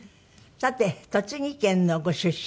さて栃木県のご出身？